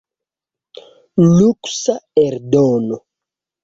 Luksa eldono.